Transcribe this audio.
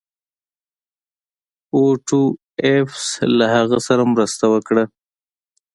اوټو ایفز له هغه سره مرسته وکړه.